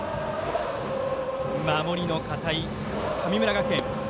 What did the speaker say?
守りの堅い、神村学園。